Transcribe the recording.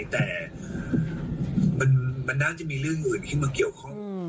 คิดว่ามันไม่ปลอบภัยแต่มันน่าจะมีเรื่องอื่นที่มาเกี่ยวของ